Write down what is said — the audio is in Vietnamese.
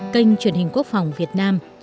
kênh truyền hình quốc phòng việt nam